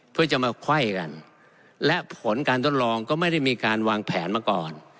เพื่อจะมาไขว้กันและผลการทดลองก็ไม่ได้มีการวางแผนมาก่อน